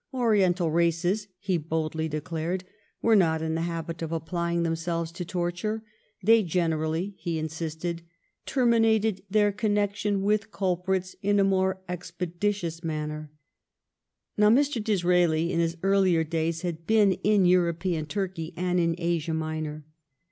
Ori ental races, he boldly declared, were not in the habit of applying themselves to torture ; they generally, he insisted, "terminated their connec tion with culprits in a more expeditious manner." Now, Mr. Disraeli in his earlier days had been in European Turkey and in Asia Minor.